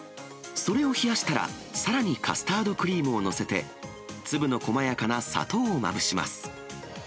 それを冷やしたら、さらにカスタードクリームを載せて、粒の細やかな砂糖をまぶします。